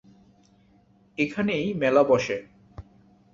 এখানেই মেলা বসে।